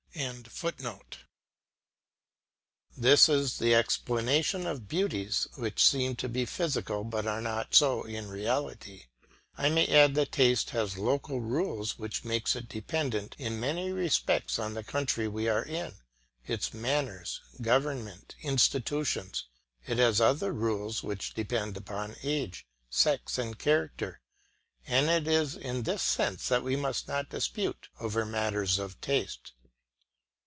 ] This is the explanation of beauties which seem to be physical, but are not so in reality. I may add that taste has local rules which make it dependent in many respects on the country we are in, its manners, government, institutions; it has other rules which depend upon age, sex, and character, and it is in this sense that we must not dispute over matters of taste.